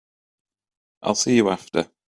I'll see you after.